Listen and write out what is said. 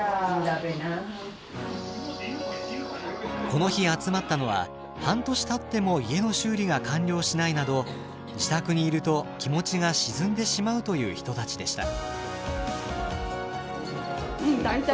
この日集まったのは半年たっても家の修理が完了しないなど自宅にいると気持ちが沈んでしまうという人たちでした。